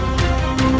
aku akan menang